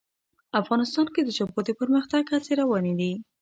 افغانستان کې د ژبو د پرمختګ هڅې روانې دي.